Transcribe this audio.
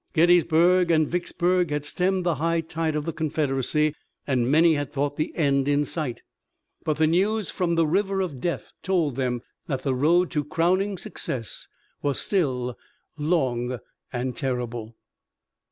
Gettysburg and Vicksburg had stemmed the high tide of the Confederacy, and many had thought the end in sight. But the news from "The River of Death" told them that the road to crowning success was still long and terrible.